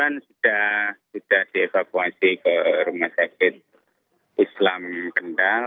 yang sudah sudah dievakuasi ke rumah sakit islam kendal